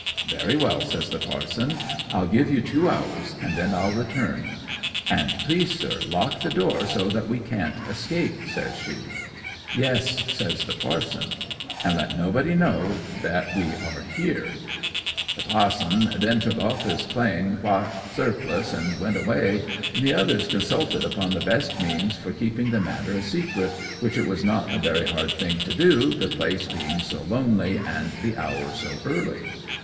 '"Very well," says the parson. "I'll give you two hours, and then I'll return." '"And please, sir, lock the door, so that we can't escape!" says she. '"Yes," says the parson. '"And let nobody know that we are here." 'The pa'son then took off his clane white surplice, and went away; and the others consulted upon the best means for keeping the matter a secret, which it was not a very hard thing to do, the place being so lonely, and the hour so early.